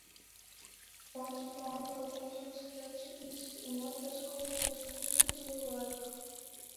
Vācu plāni par Kurzemes hercogisti un Latvijas kolonizēšanu uztrauca vēl vairāk.